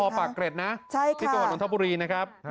โทษว่าพอปากเกร็ดนะที่ตัวของน้องทบุรีนะครับใช่ค่ะ